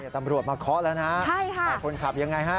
ตำรวจมาเคาะแล้วนะแต่คนขับยังไงฮะ